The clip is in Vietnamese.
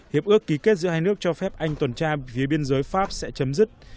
hiệp ước ký kết giữa hai nước cho phép anh tuần tra phía biên giới pháp sẽ chấm dứt